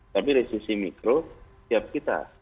tapi dari sisi mikro siap kita